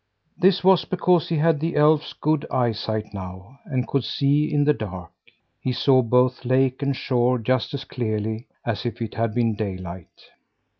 This was because he had the elf's good eyesight now, and could see in the dark. He saw both lake and shore just as clearly as if it had been daylight.